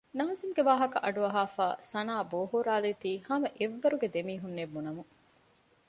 ނާޒިމްގެ ވާހަކަ އަޑުއަހާފައި ސަނާ ބޯހޫރާލީ ތީ ހަމަ އެއްވަރުގެ ދެމީހުންނޭ ބުނަމުން